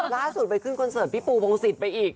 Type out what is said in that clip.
ล่าสุดไปขึ้นคอนเสิร์ตพี่ปูพงศิษย์ไปอีก